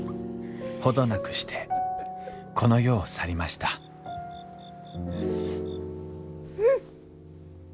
程なくしてこの世を去りましたううっ。